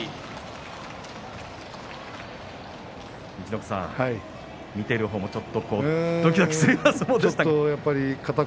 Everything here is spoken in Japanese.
陸奥さん、見ている方もちょっとどきどきする相撲でした。